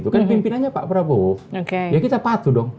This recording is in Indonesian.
kan pimpinannya pak prabowo ya kita patuh dong